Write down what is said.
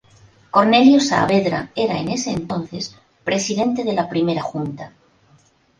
Cornelio Saavedra era en ese entonces presidente de la Primera Junta.